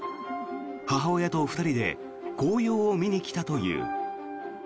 母親と２人で紅葉を見に来たという。